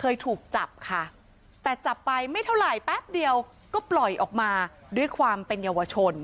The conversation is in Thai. เคยถูกจับค่ะแต่จับไปไม่เท่าไหร่แป๊บเดียวก็ปล่อยออกมาด้วยความเป็นเยาวชน